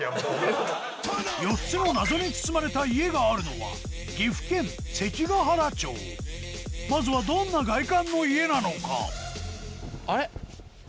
４つの謎に包まれた家があるのはまずはどんな外観の家なのか？